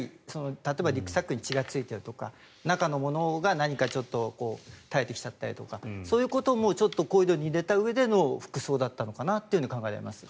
例えばリュックサックに血がついているとか中のものが何か垂れてきちゃったりとかそういうことも考慮に入れたうえでの服装だったのかなと考えられます。